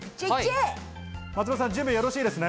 松丸さん、準備はよろしいですね？